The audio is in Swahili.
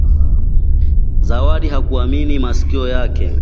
Zawadi hakuamini maskio yake